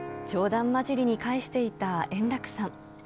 冗談交じりに返していた円楽さん。